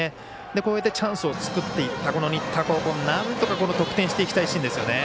こうやってチャンスを作っていった新田高校、なんとか得点していきたいシーンですよね。